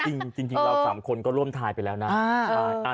จริงเรา๓คนก็ร่วมทายไปแล้วนะ